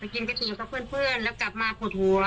ไปกินกาเตี๋ยวกับเพื่อนแล้วกลับมาผดหัว